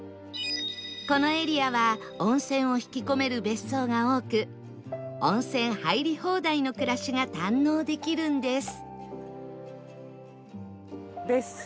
このエリアは温泉を引き込める別荘が多く温泉入り放題の暮らしが堪能できるんです